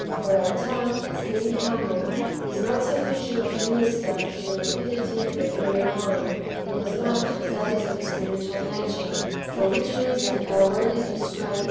For our tongue, as being carnal, is not sufficient to minister to the rapidity of the human mind, inasmuch as that is of a spiritual nature, for which reason our word is restrained^ within us, ^ The Greek term x&'yo?